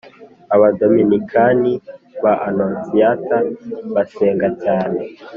Abadominikani ba Anonsiyata basenga cyane